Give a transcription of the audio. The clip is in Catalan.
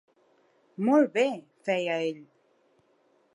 Molt bé! —feia ell.